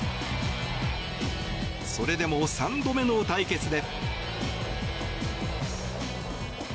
それでも３度目の対決で。